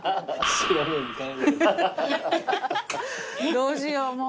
どうしようもう。